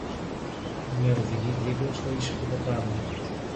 Με οδηγεί δίπλα στο ήσυχο ποτάμι.